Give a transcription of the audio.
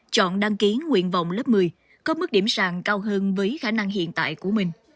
chọn đăng ký nguyện vọng lớp một mươi có mức điểm sàng cao hơn với khả năng hiện tại của mình